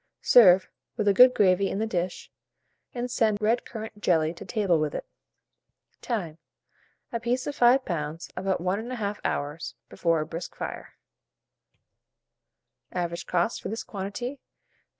Serve, with a good gravy in the dish, and send red currant jelly to table with it. Time. A piece of 5 lbs. about 1 1/2 hour before a brisk fire. Average cost, for this quantity, 5s.